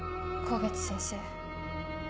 香月先生。